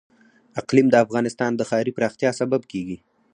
اقلیم د افغانستان د ښاري پراختیا سبب کېږي.